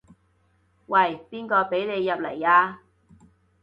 喂，邊個畀你入來啊？